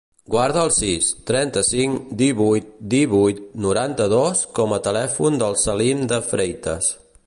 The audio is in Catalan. Guarda el sis, trenta-cinc, divuit, divuit, noranta-dos com a telèfon del Salim De Freitas.